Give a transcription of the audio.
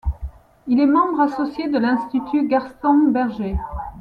Il est membre associé de l’Institut Gaston Berger.